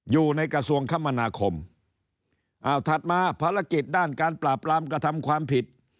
อยู่ในกระทรวงคมนาคมอ้าวถัดมาภารกิจด้านการปราบรามกระทำความผิด